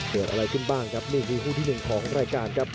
เกิดอะไรขึ้นบ้างครับนี่คือคู่ที่หนึ่งของรายการครับ